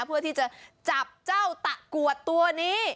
เพื่อที่จะจับเจ้าตะกรวดตัวนี้